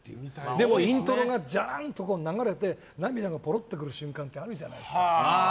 でも、イントロがじゃん！と流れて涙がぽろっとくる瞬間があるじゃないですか。